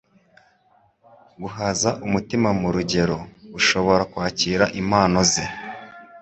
guhaza umutima mu rugero ushobora kwakiramo impano ze.